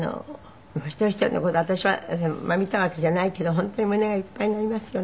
一人一人の事私は見たわけじゃないけど本当に胸がいっぱいになりますよね。